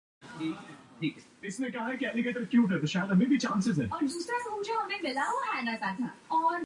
She is also the founder of the charity Women for Refugee Women.